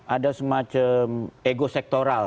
ada semacam ego sektoral